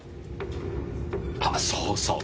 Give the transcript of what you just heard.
ああそうそう！